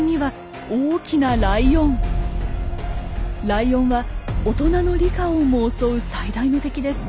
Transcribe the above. ライオンは大人のリカオンも襲う最大の敵です。